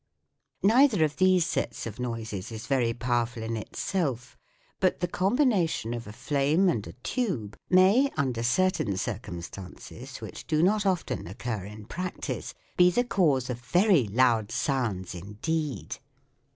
Neither of these sets of noises is very powerful in itself, but the combination of a flame and a tube may under certain circumstances, which do not often occur in practice, be the cause of very loud sounds indeed.